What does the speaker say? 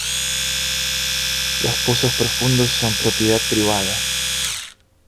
Los pozos profundos son propiedad privada.